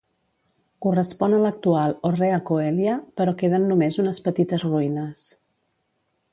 Correspon a l'actual "Horrea Coelia" però queden només unes petites ruïnes.